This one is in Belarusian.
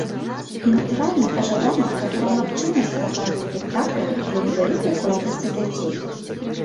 І, натуральна, пажадана, каб была магчымасць паказу спектакляў для невялікай колькасці дзяцей.